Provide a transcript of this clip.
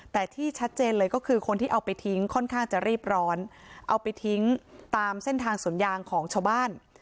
แต่ที่ชัดเจนเลยก็คือคนที่เอาไปทิ้งค่อนข้างจะรีบร้อนเอาไปทิ้งตามเส้นทางสวนยางของชาวบ้าน